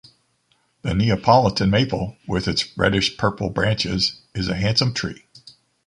The Neapolitan maple, with its reddish purple branches, is a handsome tree.